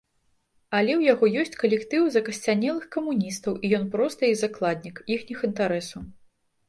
Але ў яго ёсць калектыў закасцянелых камуністаў, і ён проста іх закладнік, іхніх інтарэсаў.